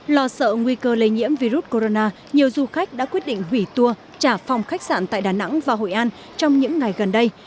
lo sợ nguy cơ lây nhiễm virus corona nhiều du khách đã quyết định hủy tour trả phòng khách sạn tại đà nẵng và hội an trong những ngày gần đây